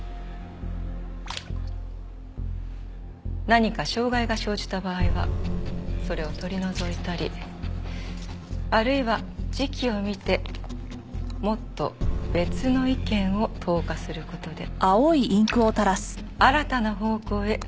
何か障害が生じた場合はそれを取り除いたりあるいは時期を見てもっと別の意見を投下する事で新たな方向へ流れを向ける。